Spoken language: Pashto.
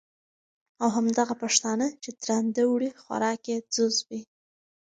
او همدغه پښتانه، چې درانده وړي خوراک یې ځوز وي،